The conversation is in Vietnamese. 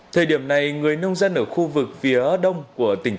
thời điểm này người nông dân ở khu vực phía đông của tỉnh tiền sơn